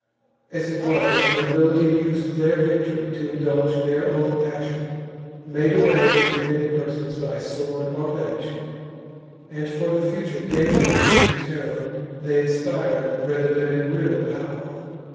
As it was, the nobility used their victory to indulge their own passion, made away with many persons by sword or banishment, and for the future gained in the terror THE JUGURTHINE WAR. 169 they inspired rather than in real power.